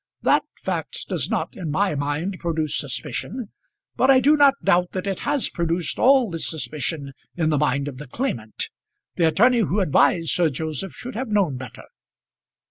That fact does not in my mind produce suspicion; but I do not doubt that it has produced all this suspicion in the mind of the claimant. The attorney who advised Sir Joseph should have known better."